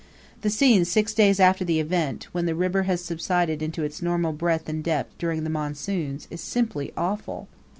The scene six days after the event when the river has subsided into its normal breadth and depth during the monsoons is simply awful.